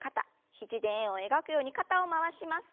肘で円を描くように肩を回します。